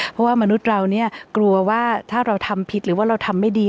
เพราะว่ามนุษย์เราเนี่ยกลัวว่าถ้าเราทำผิดหรือว่าเราทำไม่ดี